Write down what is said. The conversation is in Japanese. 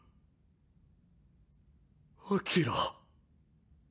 アキラ。